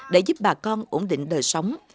để giúp bà con ổn định đời sống